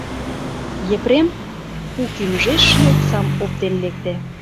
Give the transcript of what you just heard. Епрем пу кӱмыжеш ший оксам оптен лекте.